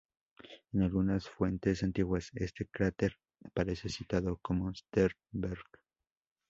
En algunas fuentes antiguas este cráter aparece citado como "Sternberg".